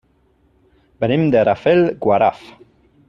Venim de Rafelguaraf.